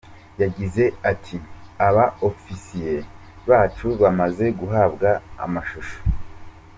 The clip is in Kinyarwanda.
Yagize ati “Aba-Ofisiye bacu bamaze guhabwa amashusho.